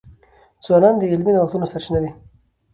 ځوانان د علمي نوښتونو سرچینه دي.